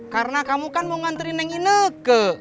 karena kamu kan mau nganterin yang ini ke